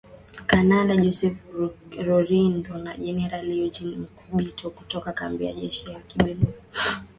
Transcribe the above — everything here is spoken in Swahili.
Kanali Joseph Rurindo na Generali Eugene Nkubito, kutoka kambi ya kijeshi ya Kibungo nchini Rwanda.